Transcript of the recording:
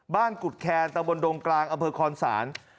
บ้านกุดแคนตะวนดงกลางอเมอร์คอนศาล